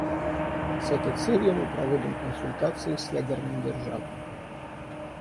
С этой целью мы проводим консультации с ядерными державами.